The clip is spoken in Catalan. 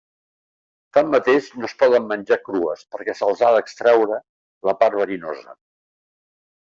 Tanmateix, no es poden menjar crues perquè se'ls ha d'extreure la part verinosa.